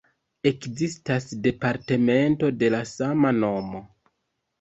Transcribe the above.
Ekzistas departemento de la sama nomo.